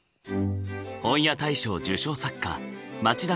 本屋大賞受賞作家町田